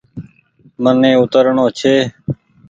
مني اوترڻو ڇي۔